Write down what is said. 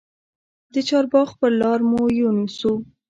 د چارباغ پر لار مو یون سو